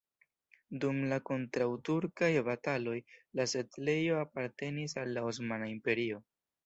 Dum la kontraŭturkaj bataloj la setlejo apartenis al la Osmana Imperio.